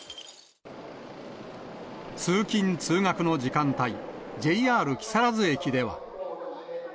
通勤・通学の時間帯、ＪＲ木更津駅では。